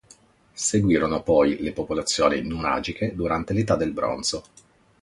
Seguirono poi le popolazioni nuragiche durante l'Età del bronzo.